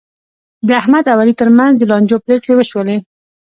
د احمد او علي ترمنځ د لانجو پرېکړې وشولې.